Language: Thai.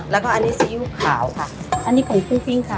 แล้วก็อันนี้ซีอิ๊วขาวค่ะอันนี้ผงกุ้งปิ้งค่ะ